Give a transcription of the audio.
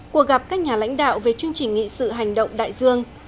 cuộc gặp các nhà lãnh đạo về chương trình nghị sự hành động đại dương